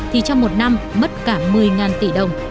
thì trong một năm mất cả một mươi tỷ đồng